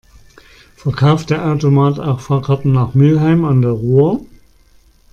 Verkauft der Automat auch Fahrkarten nach Mülheim an der Ruhr?